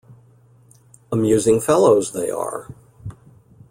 Amusing fellows, they are.